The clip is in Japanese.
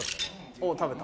お食べた。